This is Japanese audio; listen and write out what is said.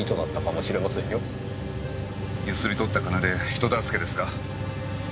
強請り取った金で人助けですか。